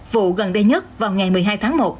vụ gần đây nhất vào ngày một mươi hai tháng một